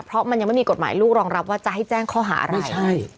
เพราะมันยังไม่มีกฎหมายลูกรองรับว่าจะให้แจ้งข้อหาอะไร